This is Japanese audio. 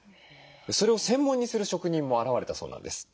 それを専門にする職人も現れたそうなんです。